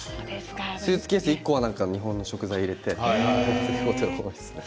スーツケース１個は日本の食材を入れて持っていきます。